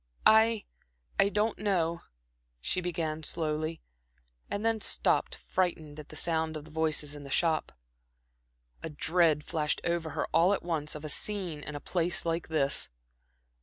"I I don't know," she began slowly, and then stopped frightened at the sound of voices in the shop. A dread flashed over her all at once of a scene in a place like this.